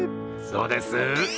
どうです？